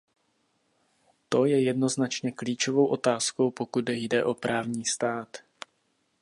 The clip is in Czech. To je jednoznačně klíčovou otázkou, pokud jde o právní stát.